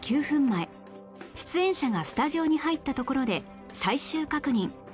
前出演者がスタジオに入ったところで最終確認